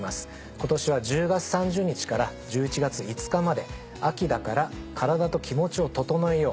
今年は１０月３０日から１１月５日まで「秋だから、カラダとキモチを整えよう。」